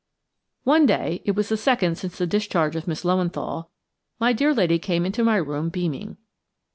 One day–it was the second since the discharge of Miss Löwenthal–my dear lady came into my room beaming.